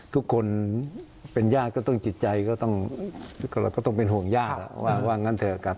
ทุกคนเป็นญาติก็ต้องจิตใจก็ต้องเป็นห่วงญาติว่างั้นเถอะกลับ